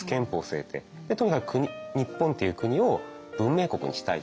とにかく日本っていう国を文明国にしたいって。